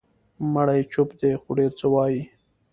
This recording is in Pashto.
مړی چوپ دی، خو ډېر څه وایي.